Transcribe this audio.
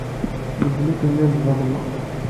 Medden akk nnan-d ḍelmeɣ.